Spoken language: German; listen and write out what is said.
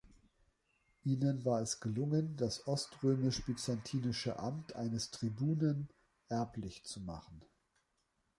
Ihnen war es gelungen, das oströmisch-byzantinische Amt eines Tribunen erblich zu machen.